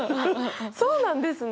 そうなんですね！